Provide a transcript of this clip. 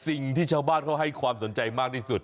สิ่งที่ชาวบ้านเขาให้ความสนใจมากที่สุด